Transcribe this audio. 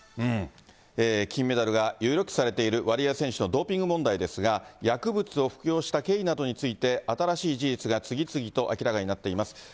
金メダルが有力視されているワリエワ選手のドーピング問題ですが、薬物を服用した経緯などについて、新しい事実が次々と明らかになっています。